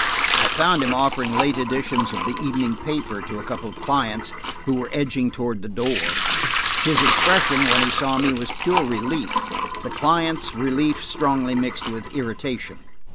I found him offering late editions of the evening paper to a couple of clients, who were edging toward the door. His expression when he saw me was pure relief, the clients', relief strongly mixed with irritation.